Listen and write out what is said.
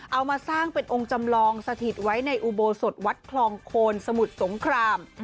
เอามาสร้างเป็นองค์จำลองสถิตไว้ในอุโบสถวัดคลองโคนสมุทรสงคราม